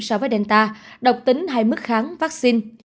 đặc biệt là về khả năng lây nhiễm